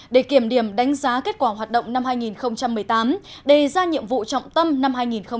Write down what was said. để kiểm điểm đánh giá kết quả hoạt động năm hai nghìn một mươi tám đề ra nhiệm vụ trọng tâm năm hai nghìn một mươi chín